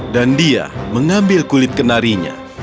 dan dia mengambil kulit kenarinya